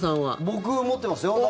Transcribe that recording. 僕、持ってますよ。